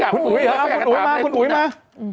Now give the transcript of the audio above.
คุณอุ๋ยมาคุณอุ๋ยมา